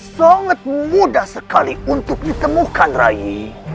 sangat mudah sekali untuk ditemukan rayi